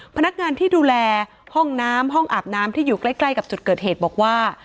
พนักงานที่ดูแลห้องน้ำห้องอาบน้ำที่อยู่ใกล้กับจุดเกิดเหตุบอกว่า